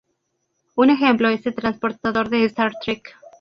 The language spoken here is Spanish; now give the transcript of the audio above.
Un ejemplo es el transportador de Star Trek.